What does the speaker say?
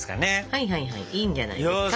はいはいはいいいんじゃないですか。